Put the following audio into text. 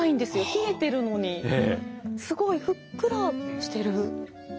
冷えてるのにすごいふっくらしてる。